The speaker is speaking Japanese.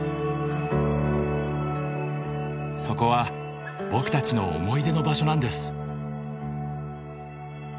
そこは僕たちの思い出の場所なんです。